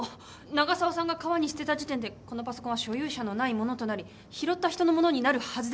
長澤さんが川に捨てた時点でこのパソコンは所有者のないものとなり拾った人のものになるはずです。